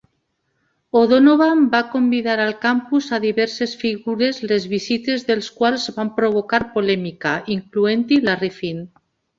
O'Donovan va convidar al campus a diverses figures les visites dels quals van provocar polèmica, incloent-hi Larry Flynt.